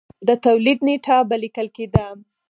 د تولید نېټه به لیکل کېده